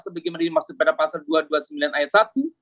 sebagaimana dimaksud pada pasal dua ratus dua puluh sembilan ayat satu